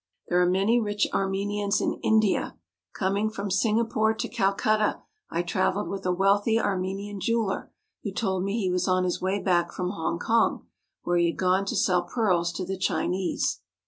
There are many rich Armenians in India. Coming from Singapore to Calcutta I travelled with a wealthy Armenian jeweller who told me he was on his way back from Hong Kong where he had gone to sell pearls to the Chinese.